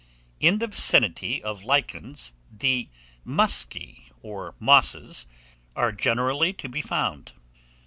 IN THE VICINITY OF LICHENS, THE MUSCI, OR MOSSES, are generally to be found.